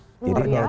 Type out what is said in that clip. oh iya berbeda ya